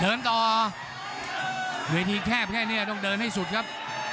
เดินต่อเวทีแคบแค่นี้ต้องเดินให้สุดครับ